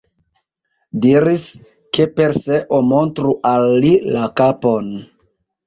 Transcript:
Diris, ke Perseo montru al li la kapon.